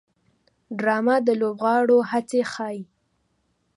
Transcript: ډرامه د لوبغاړو هڅې ښيي